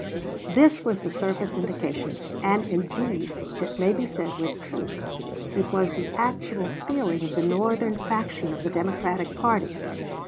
This was the surface indication, and, indeed, it may be said with truth, it was the actual feeling of the Northern faction of the Democratic party.